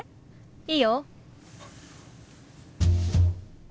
いいよ。